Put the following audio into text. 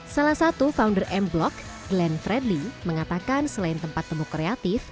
salah satu founder m block glenn fredly mengatakan selain tempat temu kreatif